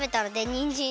にん！じん！